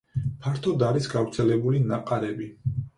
ფართოდ არის გავრცელებული ნაყარები.